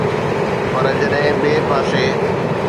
پر جڏهن ٻئي پاسي